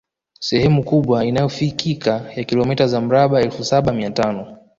Sehemu kubwa inayofikika ya kilomita za mraba elfu saba mia tano